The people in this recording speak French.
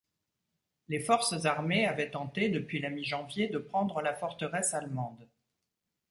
Les forces armées avaient tenté, depuis la mi-janvier, de prendre la forteresse allemande.